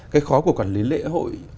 cái khó của quản lý lễ hội